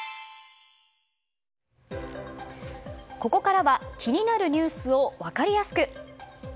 ここからは気になるニュースを分かりやすく。